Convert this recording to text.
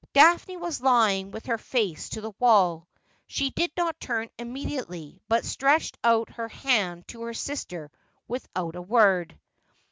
Daphne was lying with her face to the wall. She did not turn immediately, but stretched out her hand to her sister without a word.